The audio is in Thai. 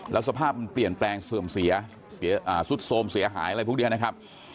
แล้วสภาพมันเปลี่ยนแปลงสุดโทรมเสียหายอะไรพวกเดียวนะครับ